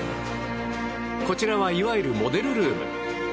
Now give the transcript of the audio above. こちらはいわゆるモデルルーム。